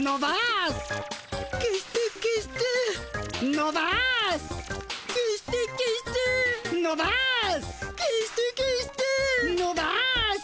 のばす。